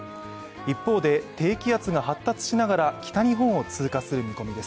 一方で、低気圧が発達しながら北日本を通過する見込みです。